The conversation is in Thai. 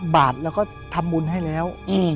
บาทแล้วก็ทำบุญให้แล้ว